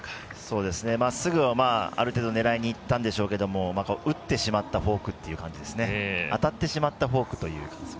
まっすぐをある程度は狙いにいったんでしょうが打ってしまったフォーク当たってしまったフォークという。